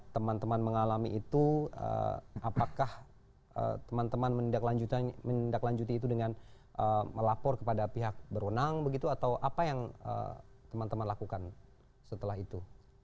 teman teman mengalami itu apakah teman teman menindaklanjuti itu dengan melapor kepada pihak berwenang begitu atau apa yang teman teman lakukan setelah itu